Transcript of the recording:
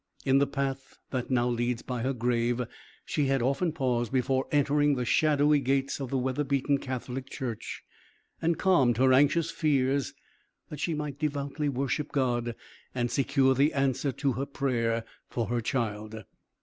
In the path that now leads by her grave, she had often paused before entering the shadowy gates of the weather beaten Catholic church, and calmed her anxious fears that she might devoutly worship God and secure the answer to her prayer for her child.